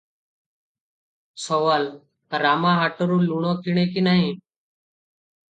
ସୱାଲ - ରାମା ହାଟରୁ ଲୁଣ କିଣେ କି ନାହିଁ?